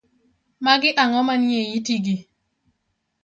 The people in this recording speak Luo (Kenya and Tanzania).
Magi ang'o manie itigi.